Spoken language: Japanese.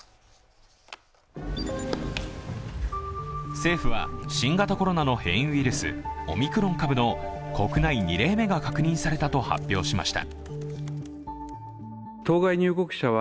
政府は新型コロナの変異ウイルス、オミクロン株の国内２例目が確認されたと発表しました。